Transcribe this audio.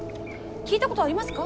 聞いたことありますか？